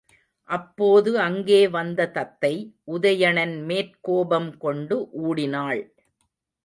அப்போது அங்கே வந்த தத்தை, உதயணன் மேற் கோபம் கொண்டு ஊடினாள்.